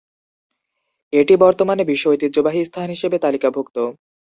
এটি বর্তমানে বিশ্ব ঐতিহ্যবাহী স্থান হিসেবে তালিকাভুক্ত।